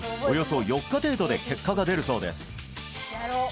およそ４日程度で結果が出るそうです